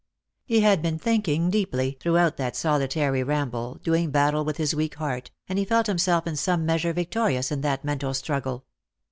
He had been thinking deeply, throughout that solitary ramble, doing battle with his weak heart, and he felt himself in some measure victorious in that mental struggle.